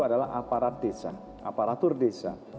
adalah aparat desa aparatur desa